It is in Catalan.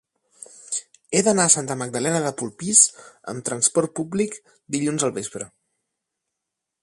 He d'anar a Santa Magdalena de Polpís amb transport públic dilluns al vespre.